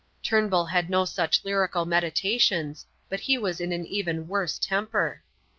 Turnbull had no such lyrical meditations, but he was in an even worse temper.